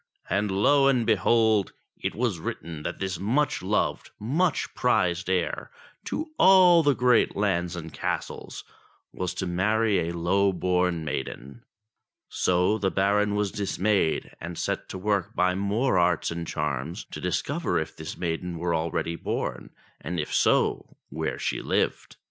And lo and behold ! it was written that this much loved, much prized heir to all the great lands and castles was to marry a low born maiden. So the Baron was dismayed, and set to work by more arts and charms to discover if this maiden were already born, and if so, where she lived.